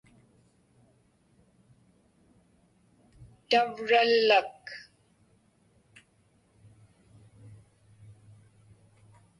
tavrallak